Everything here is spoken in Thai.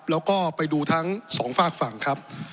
แล้วก็ไปดูทั้งสองฝากฝั่งครับ